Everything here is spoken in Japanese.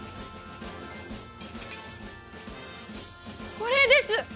これです！